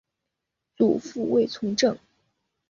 祖父卫从政。